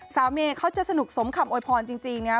เมย์เขาจะสนุกสมคำโวยพรจริงนะครับ